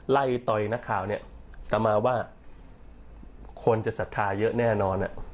ไล่ต่อยนักข่าวเนี้ยกลับมาว่าคนจะสัทธาเยอะแน่นอนอ่ะ